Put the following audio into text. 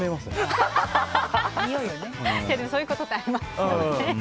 そういうことってありますよね。